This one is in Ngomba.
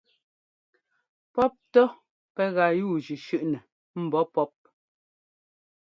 Pɔ́p ntɔ́ pɛ́ gá yúujʉ́ shʉ́ꞌnɛ mbɔ̌ pɔ́p.